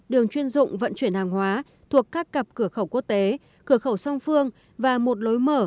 đường chuyên dụng vận chuyển hàng hóa thuộc các cặp cửa khẩu quốc tế cửa khẩu song phương và một lối mở